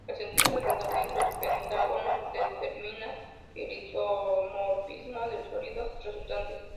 El sentido de la rotación de los pentágonos determina el isomorfismo del sólido resultante.